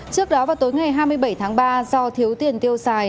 trước đó vào tối ngày hai mươi bảy tháng ba do thiếu tiền tiêu xài